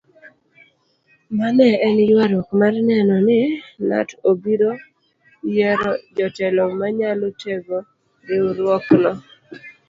Ma ne en yuaruok mar neno ni knut obiro oyiero jotelo manyalo tego riwruokno.